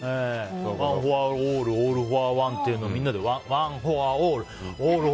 ワンフォアオールオールフォアワンっていうのをみんなでワンフォアオール！